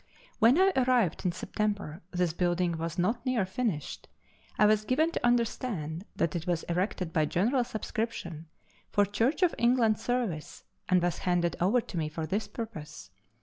When I arrived in September this building was not near finished. I was given to understand that it was erected by general subscription, for Church of England service, and was handed over to me for this purpose.